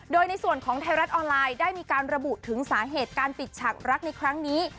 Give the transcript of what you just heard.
โดยในส่วนของไทยรัฐออนไลน์ได้มีการระบุถึงสาเหตุการปิดฉากรักในครั้งนี้